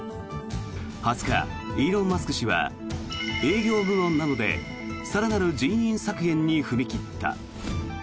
２０日、イーロン・マスク氏は営業部門などで更なる人員削減に踏み切った。